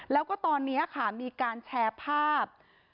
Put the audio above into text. แล้วก็ตอนนี้ค่ะมีการแชร์ภาพ